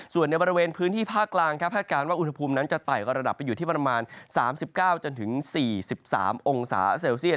ส่วนในบริเวณพื้นที่ภาคกลางครับคาดการณ์ว่าอุณหภูมินั้นจะไต่ระดับไปอยู่ที่ประมาณ๓๙๔๓องศาเซลเซียต